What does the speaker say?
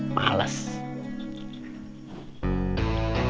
tapi kalau sholat di masjid